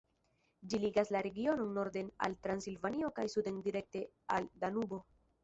Ĝi ligas la regionon norden al Transilvanio kaj suden direkte al Danubo.